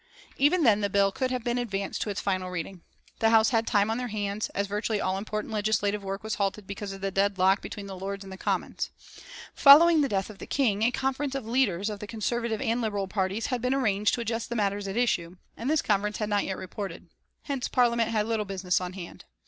Even then the bill could have been advanced to its final reading. The House had time on their hands, as virtually all important legislative work was halted because of the deadlock between the Lords and the Commons. Following the death of the King a conference of leaders of the Conservative and the Liberal Parties had been arranged to adjust the matters at issue, and this conference had not yet reported. Hence Parliament had little business on hand.